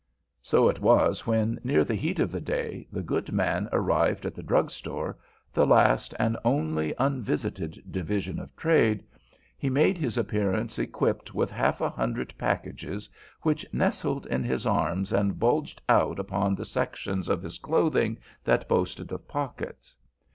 So it was when, near the heat of the day, the good man arrived at the drugstore, the last and only unvisited division of trade, he made his appearance equipped with half a hundred packages, which nestled in his arms and bulged out about the sections of his clothing that boasted of pockets.